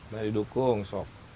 mari dukung sop